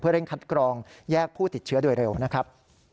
เร่งคัดกรองแยกผู้ติดเชื้อโดยเร็วนะครับ